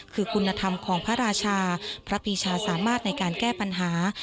คือคุณธรรมของพระราชาพระปีชาสามารถในการแก้ปัญหา